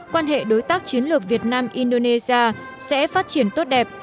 quan hệ đối tác chiến lược việt nam indonesia sẽ phát triển tốt đẹp